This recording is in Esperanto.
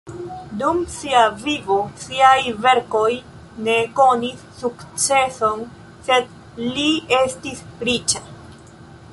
Dum sia vivo siaj verkoj ne konis sukceson sed li estis riĉa.